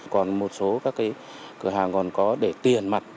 còn một số các cái cửa hàng còn có để tiền mặt